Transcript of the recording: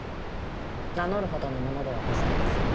名乗るほどの者ではございません。